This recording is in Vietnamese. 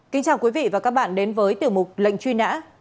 kính chào quý vị và các bạn đến với tiểu mục lệnh truy nã